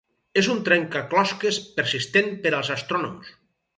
És un trencaclosques persistent per als astrònoms.